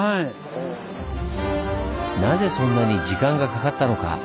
なぜそんなに時間がかかったのか？